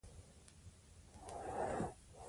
نړیوال بازار ته لار پیدا کړئ.